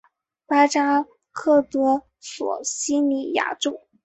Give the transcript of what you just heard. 拉扎克德索西尼亚克。